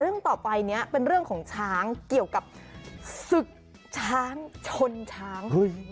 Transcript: เรื่องต่อไปนี้เป็นเรื่องของช้างเกี่ยวกับศึกช้างชนช้าง